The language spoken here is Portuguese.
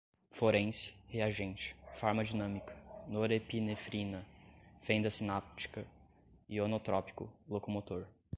forense, reagente, farmadinâmica, norepinefrina, fenda sináptica, ionotrópico, locomotor